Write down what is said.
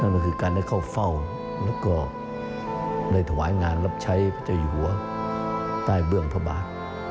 นั่นก็คือการได้เข้าเฝ้าแล้วก็ได้ถวายงานรับใช้พระเจ้าอยู่หัวใต้เบื้องพระบาท